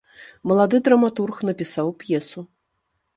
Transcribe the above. Малады драматург напісаў п'есу.